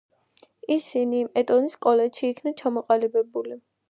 ისინი ეტონის კოლეჯში იქნა ჩამოყალიბებული.